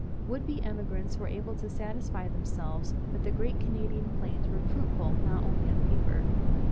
Would be emigrants were able to satisfy themselves that the great Canadian plains were fruitful not only on paper.